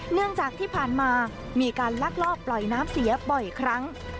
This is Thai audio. เนื่องจากที่ผ่านมามีการลักลอบปล่อยน้ำเสียบ่อยครั้ง